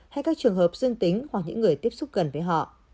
hay các trường hợp dương tính hoặc những người tiếp xúc gần với họ